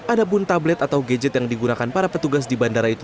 ada pun tablet atau gadget yang digunakan para petugas di bandara itu